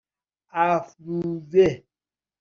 افروزه